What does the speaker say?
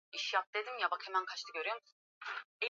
Pia alifanyiwa upasuaji wa kupunguza tumbo lake kumsadia